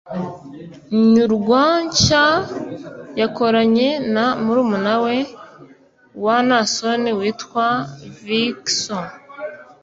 ‘Nyurwa’ nshya yakoranye na murumuna wa Naason witwa Vicson